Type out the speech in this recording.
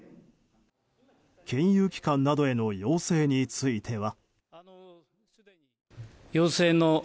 金融機関などへの要請については。